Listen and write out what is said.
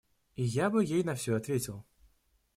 И я бы ей на все ответил.